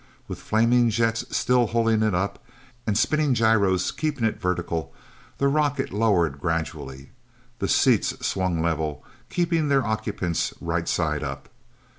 With flaming jets still holding it up, and spinning gyros keeping it vertical, the rocket lowered gradually. The seats swung level, keeping their occupants right side up.